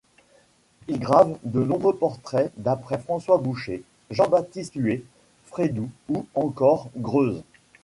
Il grave de nombreux portraits d'après François Boucher, Jean-Baptiste Huet, Frédou ou encore Greuze.